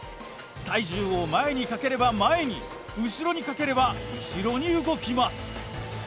体重を前にかければ前に後ろにかければ後ろに動きます。